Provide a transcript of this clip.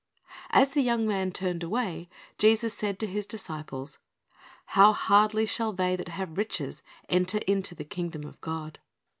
As the young man turned away, Jesus said to His disciples, "How hardly shall they that have riches enter into the kingdom of God."